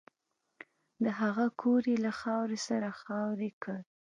د هغه کور یې له خاورو سره خاورې کړ